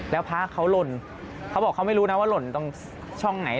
แล้วพระเขาหล่นเขาบอกเขาไม่รู้นะว่าหล่นตรงช่องไหน